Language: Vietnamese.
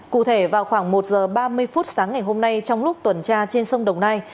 cụ thể vào khoảng một giờ ba mươi phút sáng ngày hôm nay trong lúc tuần tra trên sông đồng nai